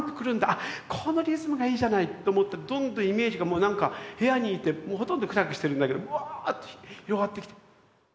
あっこのリズムがいいじゃない！」と思ってどんどんイメージがもうなんか部屋にいてもうほとんど暗くしてるんだけどブワーッと広がってきて。